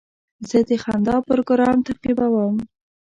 زه د خندا پروګرام تعقیبوم.